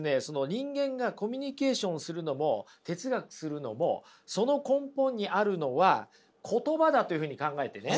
人間がコミュニケーションするのも哲学するのもその根本にあるのは言葉だというふうに考えてね。